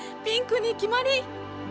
ピンクに決まり！